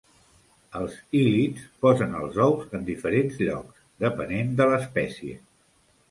Els hílids posen els ous en diferents llocs, depenent de l'espècie.